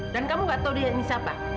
dan kamu gak tahu dia ini siapa